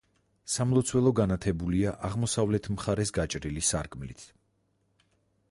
სამლოცველო განათებულია აღმოსავლეთ მხარეს გაჭრილი სარკმლით.